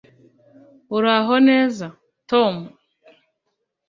uraho neza, tom